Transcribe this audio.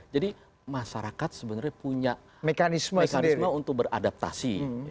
jadi masyarakat sebenarnya punya mekanisme untuk beradaptasi